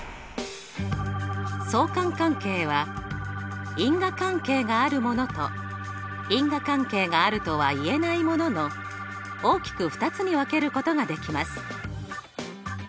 相関関係は因果関係があるものと因果関係があるとはいえないものの大きく２つに分けることができます。